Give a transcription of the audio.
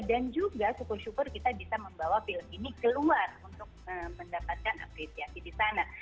dan juga syukur syukur kita bisa membawa film ini keluar untuk mendapatkan apresiasi di sana